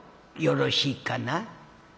よろしいかな。